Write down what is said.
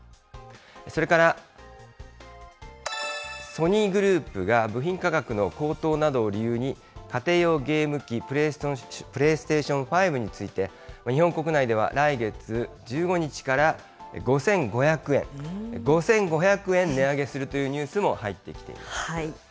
それからソニーグループが部品価格の高騰などを理由に、家庭用ゲーム機プレイステーション５について、日本国内では来月１５日から５５００円、５５００円、値上げするというニュースも入ってきています。